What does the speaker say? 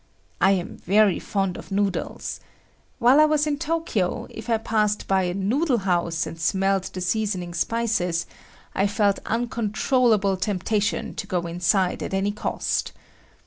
I am very fond of noodles. While I was in Tokyo, if I passed by a noodle house and smelled the seasoning spices, I felt uncontrollable temptation to go inside at any cost.